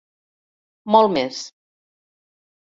Molt més.